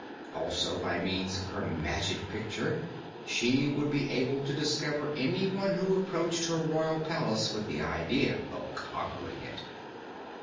Also, by means of her Magic Picture she would be able to discover anyone who approached her royal palace with the idea of conquering it.